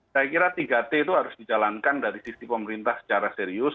saya kira tiga t itu harus dijalankan dari sisi pemerintah secara serius